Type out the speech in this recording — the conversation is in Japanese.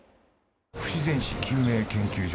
不自然死究明研究所